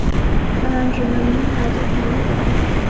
当然只能买最便宜的